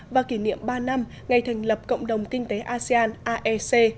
và kỷ niệm ba năm ngày thành lập cộng đồng kinh tế asean aec